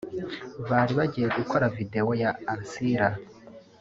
Bari bagiye gukora video ya Ancilla